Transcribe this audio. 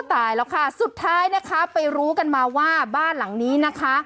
ตายแล้วค่ะสุดท้ายนะคะไปรู้กันมาว่าบ้านหลังนี้นะคะ